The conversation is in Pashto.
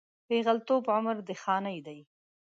پېغلتوب عمر د خانۍ دی